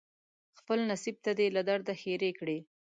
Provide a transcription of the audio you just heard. خپل نصیب ته دې له درده ښیرې کړي